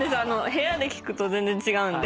部屋で聞くと全然違うんで。